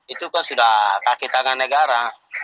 itu kan sudah kaki tangan negara